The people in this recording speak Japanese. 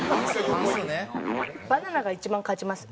バナナが一番勝ちます。